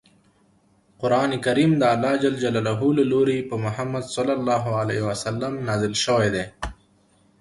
قران کریم دالله ج له لوری په محمد ص نازل شوی دی.